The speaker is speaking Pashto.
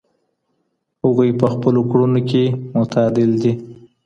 هغه په خپلو کړنو کي متعادل دی.